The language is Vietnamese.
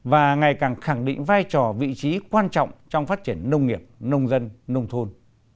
và ngày càng khẳng định vai trò vị trí quan trọng trong phát triển nông nghiệp nông dân nông thôn